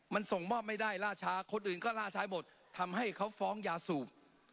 มันส่งมอบไม่ได้ล่าช้าคนอื่นก็ล่าช้าหมดทำให้เขาฟ้องยาสูบ